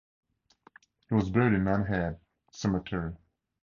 He was buried in Nunhead Cemetery.